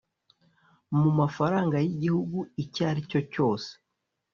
mu mafaranga y igihugu icyo aricyo cyose